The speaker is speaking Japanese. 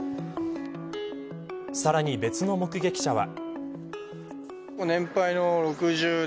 さらに別の目撃者は。